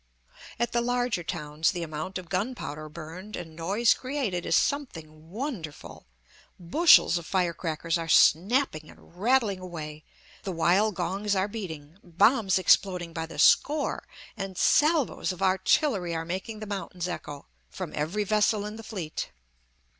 At the larger towns the amount of gunpowder burned and noise created is something wonderful. Bushels of fire crackers are snapping and rattling away, the while gongs are beating, bombs exploding by the score, and salvoes of artillery are making the mountains echo, from every vessel in the fleet.